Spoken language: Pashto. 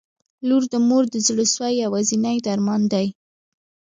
• لور د مور د زړسوي یوازینی درمان دی.